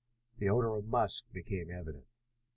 The odor of musk became evident.